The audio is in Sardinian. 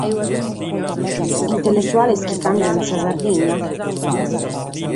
Intelletuales chi càmbiant sa Sardigna?